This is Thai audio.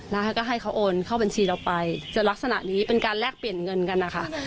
แล้วเขาก็ให้เขาโอนเข้าบัญชีเราไปเจอลักษณะนี้เป็นการแลกเปลี่ยนเงินกันนะคะ